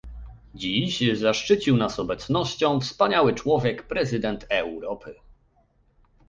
Dziś zaszczycił nas obecnością wspaniały człowiek - prezydent Europy